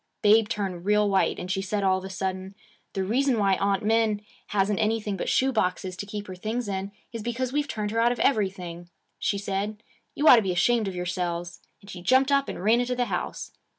Babe turned real white, and she said all of a sudden, "The reason why Aunt Min hasn't anything but shoe boxes to keep her things in is just because we've turned her out of everything," she said. "You ought to be ashamed of yourselves." And she jumped up and ran into the house.